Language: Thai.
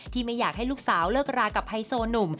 ไม่อยากให้ลูกสาวเลิกรากับไฮโซหนุ่ม